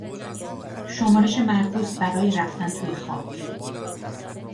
شمارش معکوس برای رفتن توی خاک